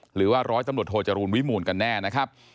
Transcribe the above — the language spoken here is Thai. หรือว่าร้อยตำรวจโทจรูลวิมูลกันแน่นะครับ